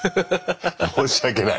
申し訳ない？